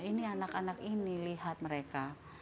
ini anak anak ini lihat mereka